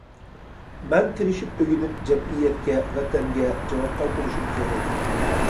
مەن تىرىشىپ ئۆگىنىپ، جەمئىيەتكە، ۋەتەنگە جاۋاب قايتۇرۇشۇم كېرەك.